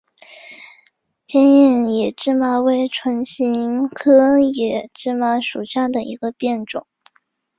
坚硬野芝麻为唇形科野芝麻属下的一个变种。